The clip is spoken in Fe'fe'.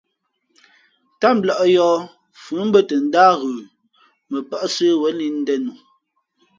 Tám lᾱʼ yōh, fʉ mbᾱ tα ndáh ghə, mα pά sə̌wēn lǐʼ ndēn nu.